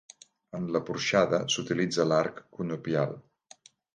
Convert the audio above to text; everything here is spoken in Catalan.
En la porxada s'utilitza l'arc conopial.